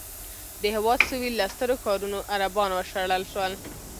د هېواد سوېل له سترو ښارونو عربان وشړل شول.